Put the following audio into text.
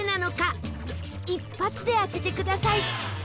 一発で当ててください